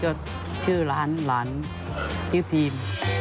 ก็ชื่อร้านร้านพีม